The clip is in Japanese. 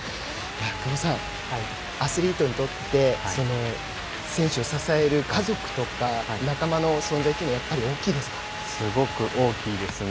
久保さん、アスリートにとって選手を支える家族とか仲間の存在というのはすごく大きいですね。